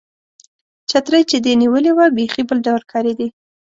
چترۍ چې دې نیولې وه، بیخي بل ډول ښکارېدې.